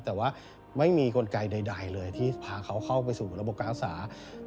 แต่ว่าไม่มีกลไกใดเลยที่พาเขาเข้าไปสู่ระบบการรักษา